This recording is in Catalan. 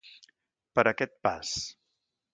Per a aquest pas.